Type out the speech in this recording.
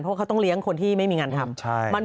เพราะเขาต้องเลี้ยงคนที่ไม่มีงานทำ